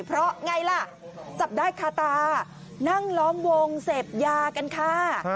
เพราะไงล่ะจับได้คาตานั่งล้อมวงเสพยากันค่ะ